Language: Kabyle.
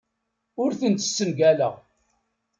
Ur tent-ssengaleɣ.